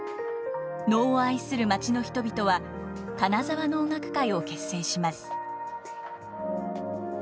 能を愛する町の人々は金沢能楽会を結成します。